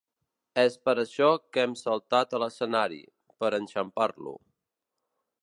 És per això que hem saltat a l'escenari, per enxampar-lo.